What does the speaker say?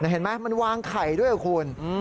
เห็นไหมมันวางไข่ด้วยคุณ